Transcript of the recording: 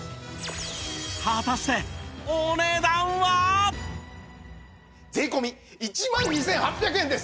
果たして税込１万２８００円です！